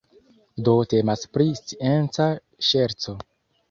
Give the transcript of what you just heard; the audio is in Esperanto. Do temas pri scienca ŝerco.